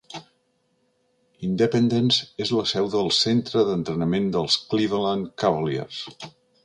Independence és la seu del centre d'entrenament dels Cleveland Cavaliers.